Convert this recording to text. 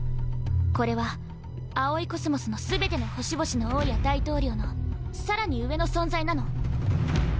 これは葵宇宙の全ての星々の王や大統領のさらに上の存在なの。